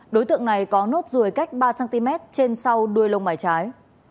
đối tượng này có nốt ruồi cách ba cm trên sau đuôi lông mải trái